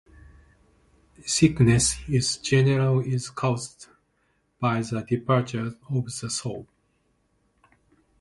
Sickness in general is caused by the departure of the soul.